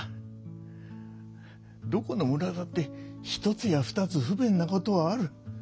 どこの村だってひとつやふたつ不便なことはある。